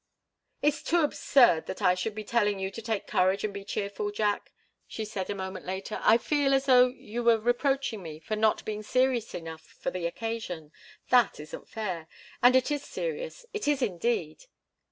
"It's too absurd that I should be telling you to take courage and be cheerful, Jack!" she said, a moment later. "I feel as though you were reproaching me with not being serious enough for the occasion. That isn't fair. And it is serious it is, indeed."